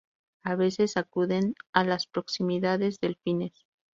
A veces acuden a las proximidades delfines.